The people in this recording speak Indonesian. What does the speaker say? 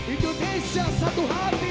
indonesia satu hati